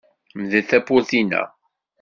Mdel tawwurt-inna!